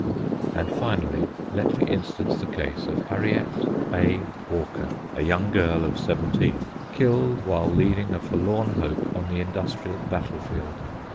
And, finally, let me instance the case of Harriet A. Walker, a young girl of seventeen, killed while leading a forlorn hope on the industrial battlefield.